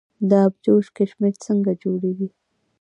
د ابجوش کشمش څنګه جوړیږي؟